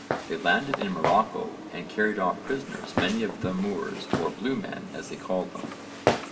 They landed in Morocco and carried off prisoners many of the Moors or 'Blue men' as they called them.